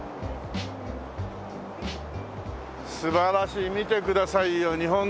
素晴らしい見てくださいよ日本の大動脈。